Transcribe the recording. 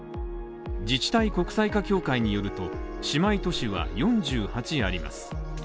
自治体国際化協会によると姉妹都市は４８あります。